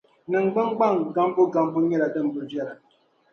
Nin gbungbaŋ gaŋbu gaŋbu nyɛla din bi viɛla.